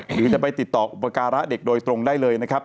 หรือจะไปติดต่ออุปการะเด็กโดยตรงได้เลยนะครับ